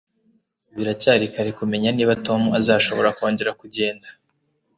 Biracyari kare kumenya niba Tom azashobora kongera kugenda